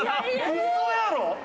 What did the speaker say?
ウソやろ！？